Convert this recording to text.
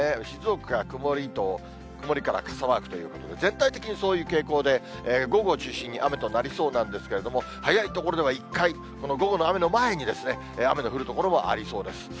静岡曇り、曇りから傘マークということで、全体的にそういう傾向で、午後を中心に雨となりそうなんですけれども、早い所では一回、この午後の雨の前に、雨の降る所もありそうです。